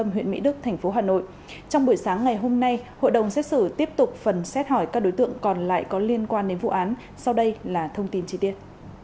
hội đồng xét xử tiếp tục phần xét hỏi các đối tượng còn lại có liên quan đến vụ án sau đây là thông tin chi tiết